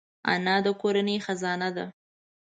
انا د کورنۍ خزانه ده